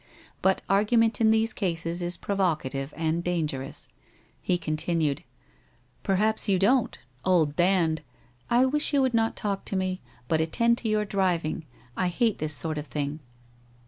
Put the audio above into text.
But argument in these cases is provocative and dangerous. He continued :' Perhaps you don't. Old Dand '* I wish you would not talk to me, but attend to your driving. I hate this sort of thing.'